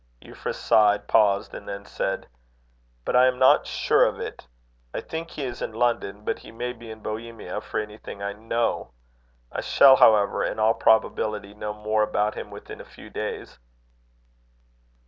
Euphra sighed, paused, and then said: "But I am not sure of it. I think he is in London; but he may be in Bohemia, for anything I know. I shall, however, in all probability, know more about him within a few days."